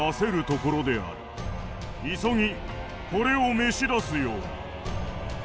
急ぎこれを召し出すように。